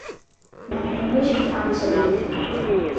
Далеимыжьит амца ду.